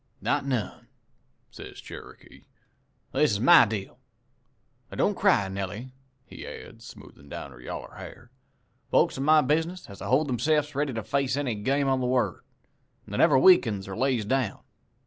"'Not none,' says Cherokee; 'this is my deal. Don't cry, Nellie,' he adds, smoothin' down her yaller ha'r. 'Folks in my business has to hold themse'fs ready to face any game on the word, an' they never weakens or lays down.